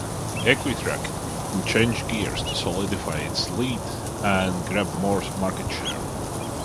Equitrac changed gears to solidify its lead and grab more market share.